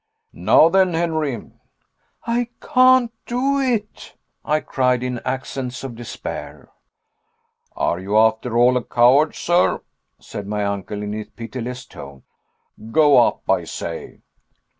"Now then, Henry." "I can't do it!" I cried, in accents of despair. "Are you, after all, a coward, sir?" said my uncle in a pitiless tone. "Go up, I say!"